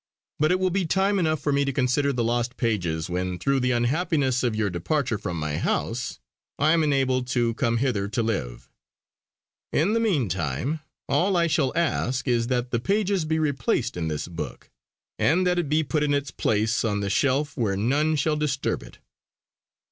But it will be time enough for me to consider the lost pages when through the unhappiness of your departure from my house, I am enabled to come hither to live. In the meantime, all I shall ask is that the pages be replaced in this book and that it be put in its place on the shelf where none shall disturb it."